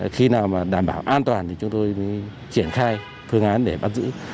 khi nào mà đảm bảo an toàn thì chúng tôi triển khai phương án để bắt giữ